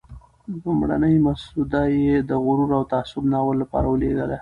لومړنی مسوده یې د "غرور او تعصب" ناول لپاره ولېږله.